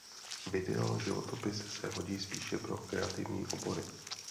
Video životopis se hodí spíše pro kreativní obory.